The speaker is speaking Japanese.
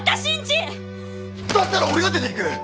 だったら俺が出ていく！